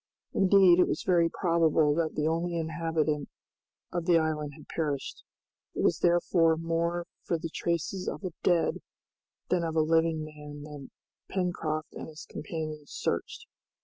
Indeed, it was very probable that the only inhabitant of the island had perished. It was therefore more for the traces of a dead than of a living man that Pencroft and his companions searched.